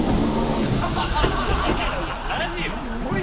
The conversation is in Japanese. イギリスの。